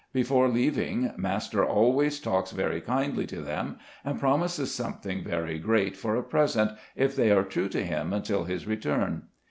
Before leaving, master always talks very kindly to them, and promises something very great for a present, if they are true to him until his return.